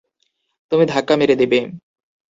তুমি ধাক্কা মেরে দেবে!